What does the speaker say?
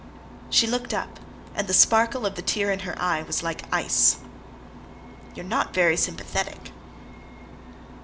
She looked up and the sparkle of the tear in her eye was like ice. "You're not very sympathetic."